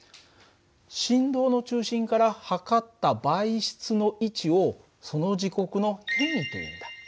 振動の中心から測った媒質の位置をその時刻の変位というんだ。